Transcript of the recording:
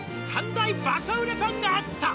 「３大バカ売れパンがあった！」